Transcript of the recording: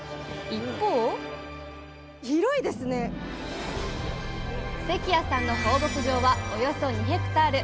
一方関谷さんの放牧場はおよそ２ヘクタール。